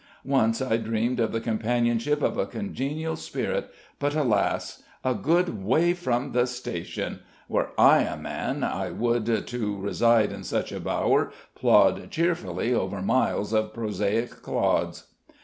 Once I dreamed of the companionship of a congenial spirit, but, alas! 'A good way from the station!' Were I a man, I would, to reside in such a bower, plod cheerily over miles of prosaic clods."